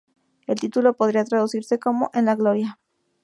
El título podría traducirse como "En la gloria".